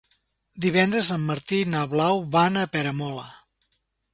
Divendres en Martí i na Blau van a Peramola.